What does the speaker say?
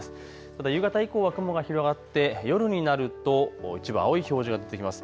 ただ夕方以降は雲が広がって夜になるとを一部青い表示が出てきます。